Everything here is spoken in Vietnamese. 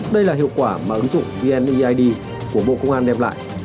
đây là hiệu quả mà ứng dụng vneid của bộ công an đem lại